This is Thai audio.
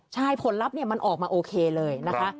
ใช่ผลลัพธ์มันออกมาโอเคเลยนะคะ